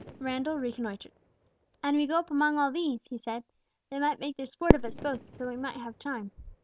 Randall reconnoitred. "An we go up among all these," he said, "they might make their sport of us both, so that we might have time.